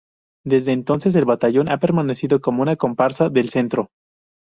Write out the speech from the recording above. Desde entonces el batallón ha permanecido como una comparsa del "centro".